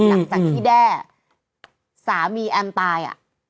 หลังจากที่แด้สามีแอมตาย